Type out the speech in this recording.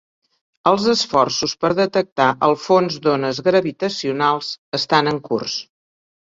Els esforços per detectar el fons d'ones gravitacionals estan en curs.